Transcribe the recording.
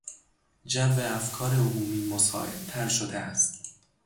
جو افکار عمومی مساعدتر شده است.